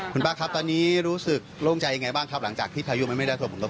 คุณป้าครับตอนนี้รู้สึกโล่งใจยังไงบ้างครับหลังจากที่พายุมันไม่ได้ตัวผลกระทบ